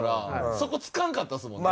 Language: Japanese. そこ突かんかったですもんね。